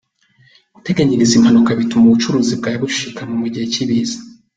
Guteganyiriza impanuka bituma ubucuruzi bwawe bushikama mu gihe cy’ibiza.